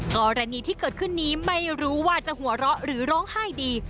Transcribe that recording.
กรณีที่เกิดขึ้นนี้ไม่รู้ว่าจะหัวเราะหรือร้องไห้ดี